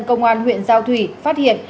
công an huyện sao thủy phát hiện